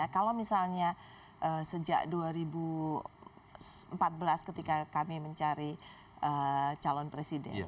kalau misalnya sejak dua ribu empat belas ketika kami mencari calon presiden